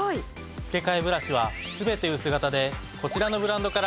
付替ブラシはすべて薄型でこちらのブランドから選べます。